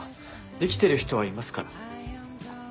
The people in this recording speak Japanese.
できてる人はいますから。